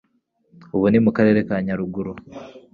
ubu ni mu Karere ka Nyaruguru.